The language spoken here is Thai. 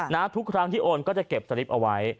ทุกครั้งที่โอนก็จะเก็บสลิปเอาไว้